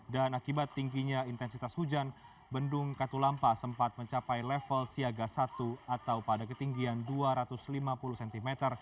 dan akibat tingginya intensitas hujan bendung katulampa sempat mencapai level siaga satu atau pada ketinggian dua ratus lima puluh cm